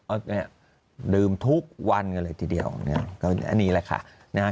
ก็เนี่ยดื่มทุกวันกันเลยทีเดียวเนี่ยก็อันนี้แหละค่ะนะฮะ